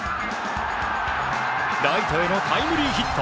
ライトへのタイムリーヒット。